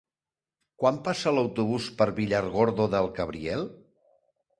Quan passa l'autobús per Villargordo del Cabriel?